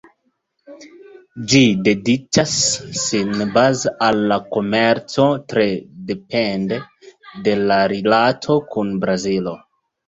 Ĝi dediĉas sin baze al la komerco, tre depende de la rilato kun Brazilo.